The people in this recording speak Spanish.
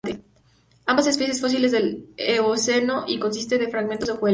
Ambas especies fósiles del Eoceno, y consiste de fragmentos de hojuelas.